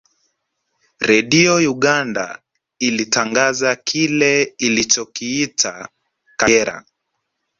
Redio Uganda ilitangaza kile ilichokiita Kagera